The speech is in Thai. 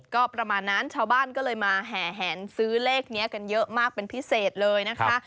ก็ประมาณนั้นชาวบ้านก็เลยมาแห่แหนซื้อเลขนี้กันเยอะมากเป็นพิเศษเลยนะคะ